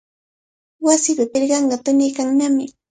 Wasipa pirqanqa tuniykannami.